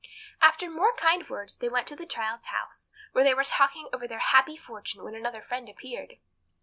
After more kind words they went to the child's house, where they were talking over their happy fortune when another friend appeared.